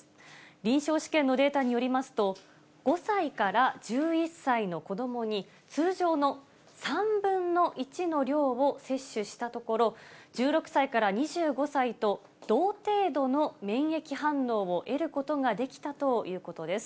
臨床試験のデータによりますと、５歳から１１歳の子どもに、通常の３分の１の量を接種したところ、１６歳から２５歳と同程度の免疫反応を得ることができたということです。